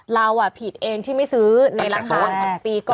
เราผิดเองที่ไม่ซื้อในราคา๒ปีก่อน